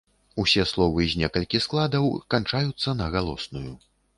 Усе словы з некалькі складаў канчаюцца на галосную.